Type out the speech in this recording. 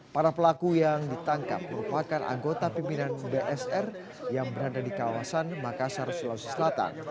para pelaku yang ditangkap merupakan anggota pimpinan bsr yang berada di kawasan makassar sulawesi selatan